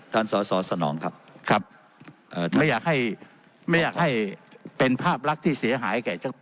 ท่านสรสนองครับไม่อยากให้เป็นภาพลักษณ์ที่เสียหาย